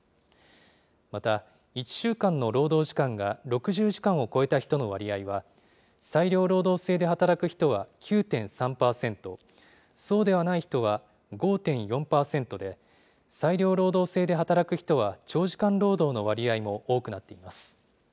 また、１週間の労働時間が６０時間を超えた人の割合は、裁量労働制で働く人は９．３％、そうではない人は５．４％で、裁量労働制で働く人は、長時間労働の割合も多くなっています。